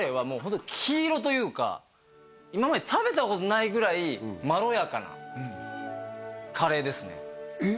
今まで食べたことないぐらいまろやかなカレーですねえっ？